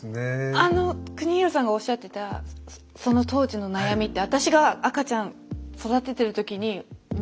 あの邦博さんがおっしゃってたその当時の悩みって私が赤ちゃん育ててる時に全部思ったことでした。